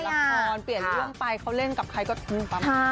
เวลาเปลี่ยนลักษณ์เปลี่ยนเรื่องไปเขาเล่นกับใครก็ปั๊บ